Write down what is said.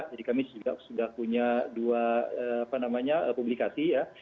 jadi kami sudah punya dua publikasi ya